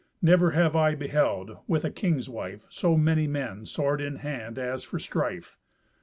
Never have I beheld, with a king's wife, so many men, sword in hand, as for strife.